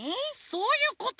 そういうこと！